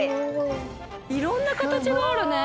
いろんなかたちがあるね。